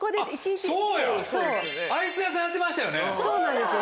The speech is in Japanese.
そうなんですよ